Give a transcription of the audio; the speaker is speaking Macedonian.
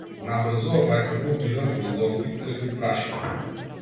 Набрзо обајцата умираат во локви крв и прашина.